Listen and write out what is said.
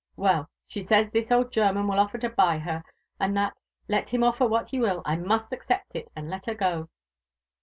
Well, she says that this old German will offer to buy her, and that, let him offer what he will, I must accept it and let her go."